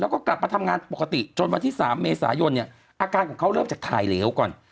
แล้วก็กลับมาทำงานปกติจนวันที่๓เมษายนเนี่ยอาการของเขาเริ่มจากถ่ายเหลวก่อน